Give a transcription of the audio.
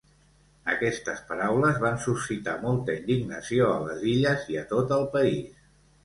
Aquestes paraules van suscitar molta indignació a les Illes i a tot el país.